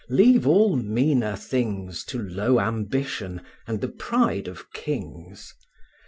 leave all meaner things To low ambition, and the pride of kings.